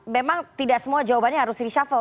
memang tidak semua jawabannya harus reshuffle